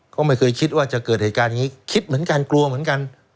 ก็ไม่เคยคิดว่าจะเกิดเหตุการณ์อย่างนี้คิดเหมือนกันกลัวเหมือนกัน